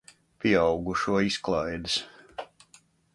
Pieaugušo izklaides.